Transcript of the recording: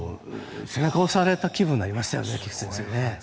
背中を押された気分になりましたよね。